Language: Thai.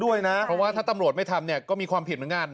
ด้วยนะเพราะว่าถ้าตำรวจไม่ทำเนี้ยก็มีความเผ็ด